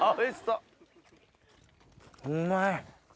うまい！